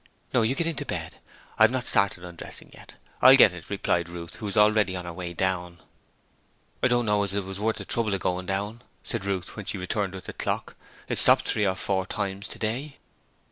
'No, you get into bed. I've not started undressing yet. I'll get it,' replied Ruth who was already on her way down. 'I don't know as it was worth the trouble of going down,' said Ruth when she returned with the clock. 'It stopped three or four times today.'